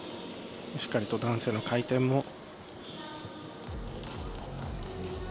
しっかりと男性の回転も。